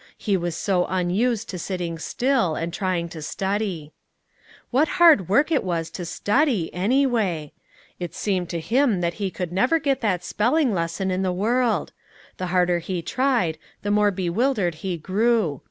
He was so unused to sitting still, and trying to study. What hard work it was to study, any way! It seemed to him that he could never get that spelling lesson in the world; the harder he tried, the more bewildered he grew.